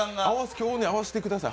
今日に合わせてください。